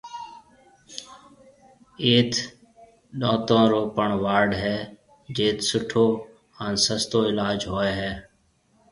ايٿ ڏونتون رو پڻ وارڊ ھيََََ جيٽ سُٺو ھان سستو علاج ھوئيَ ھيََََ۔